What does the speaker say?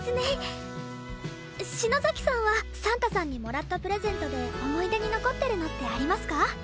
篠崎さんはサンタさんにもらったプレゼントで思い出に残ってるのってありますか？